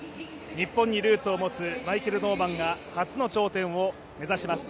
日本にルーツを持つマイケル・ノーマンが初の頂点を目指します。